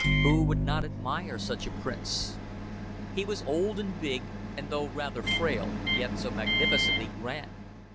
Who would not admire such a prince? He was old and big, and though rather frail, yet so magnificently grand.